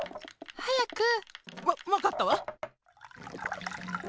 はやく！わわかったわ。